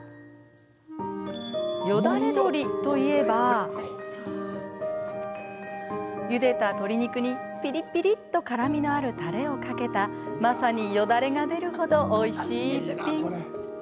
よだれ鶏といえばゆでた鶏肉にピリピリッと辛みのあるたれをかけたまさによだれが出るほどおいしい逸品。